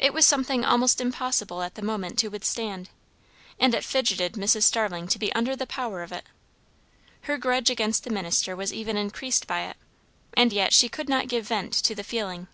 It was something almost impossible at the moment to withstand, and it fidgetted Mrs. Starling to be under the power of it. Her grudge against the minister was even increased by it, and yet she could not give vent to the feeling.